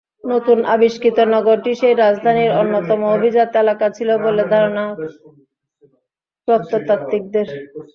নতুন আবিষ্কৃত নগরটি সেই রাজধানীর অন্যতম অভিজাত এলাকা ছিল বলে ধারণা প্রত্নতাত্ত্বিকদের।